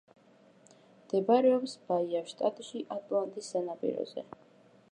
მდებარეობს ბაიას შტატში, ატლანტის სანაპიროზე.